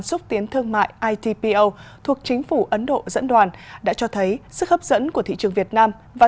xúc tiến thương mại itpo thuộc chính phủ ấn độ dẫn đoàn đã cho thấy sức hấp dẫn của thị trường việt nam và